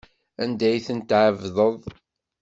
Anda ay tent-tɛebdeḍ?